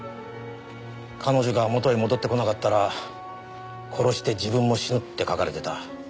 彼女がもとへ戻ってこなかったら殺して自分も死ぬって書かれてた。